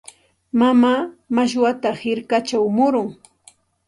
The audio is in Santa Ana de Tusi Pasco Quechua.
Mamaa mashwata hirkachaw murun.